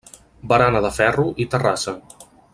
Barana de ferro i terrassa.